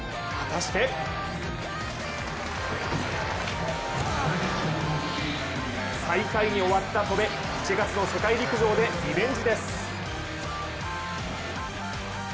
果たして最下位に終わった戸邉、７月の世界陸上でリベンジです。